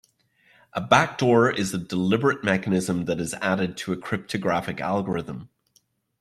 A backdoor is a deliberate mechanism that is added to a cryptographic algorithm.